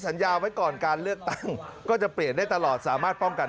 สัญญาไว้ก่อนการเลือกตั้งก็จะเปลี่ยนได้ตลอดสามารถป้องกัน